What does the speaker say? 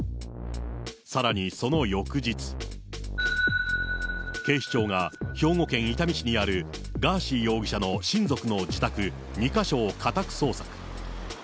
さらにその翌日、警視庁が兵庫県伊丹市にあるガーシー容疑者の親族の自宅２か所を家宅捜索。